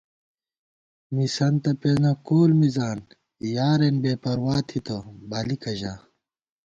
مِسَنتہ پېنہ کول مِزان یارېن بے پروا تھِتہ بالِکہ ژا